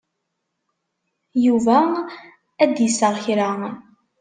Yuba ad d-iseɣ kra.